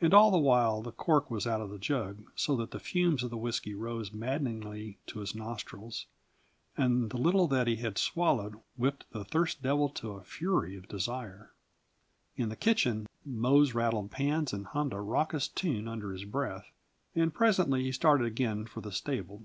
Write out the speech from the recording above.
And all the while the cork was out of that jug, so that the fumes of the whisky rose maddeningly to his nostrils, and the little that he had swallowed whipped the thirst devil to a fury of desire. In the kitchen, Mose rattled pans and hummed a raucous tune under his breath, and presently he started again for the stable.